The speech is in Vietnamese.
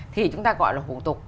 thì chúng ta gọi là hủ tục